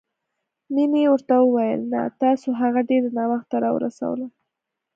مينې ورته وويل نه، تاسو هغه ډېره ناوخته راورسوله.